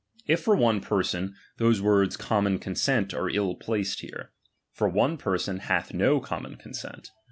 If for one person, those words common consent are ill placed here ; for otie person hath no common consent.